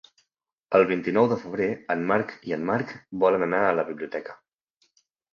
El vint-i-nou de febrer en Marc i en Marc volen anar a la biblioteca.